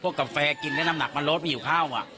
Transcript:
กินในภูมิน้ำหนักร้อนมีข้าวอ่ะ